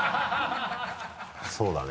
そうだね。